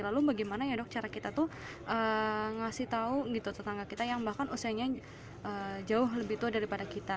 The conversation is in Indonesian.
lalu bagaimana ya dok cara kita tuh ngasih tahu gitu tetangga kita yang bahkan usianya jauh lebih tua daripada kita